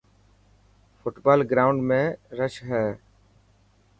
فٽبال گروائنڊ ۾ رش هئي تي.